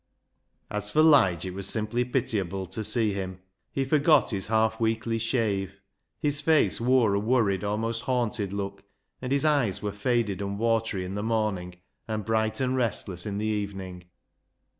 As for Lige, it was simply pitiable to see him. He forgot his half weekly shave. His face wore a worried, almost haunted look, and his eyes were faded and watery in the morning, and bright and restless in the evening.